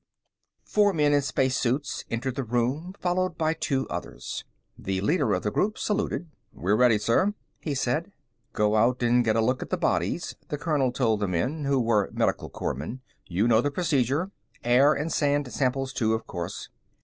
Four men in spacesuits entered the room, followed by two others. The leader of the group saluted. "We're ready, sir," he said. "Go out and get a look at the bodies," the colonel told the men, who were Medical Corpsmen. "You know the procedure. Air and sand samples too, of course."